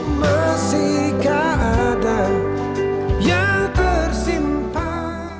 aku masih gak ada yang tersimpan